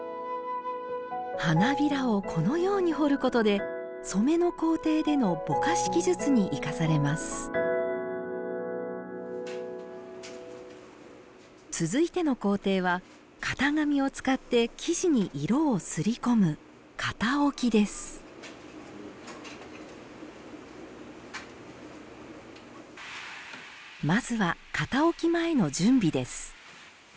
花びらをこのように彫ることで染めの工程でのぼかし技術に生かされます続いての工程は型紙を使って生地に色をすり込む「型置き」ですまずは型置き前の準備です。